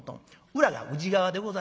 裏が宇治川でございます。